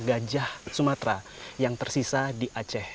gajah sumatera yang tersisa di aceh